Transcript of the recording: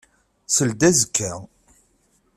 Seld azekka.